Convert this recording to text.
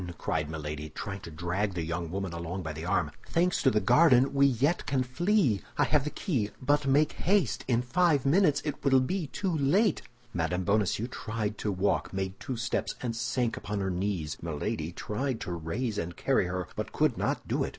cried Milady, trying to drag the young woman along by the arm. "Thanks to the garden, we yet can flee; I have the key, but make haste! in five minutes it will be too late!" Mme. Bonacieux tried to walk, made two steps, and sank upon her knees. Milady tried to raise and carry her, but could not do it.